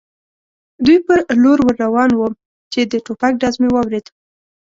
دوی پر لور ور روان ووم، چې د ټوپک ډز مې واورېد.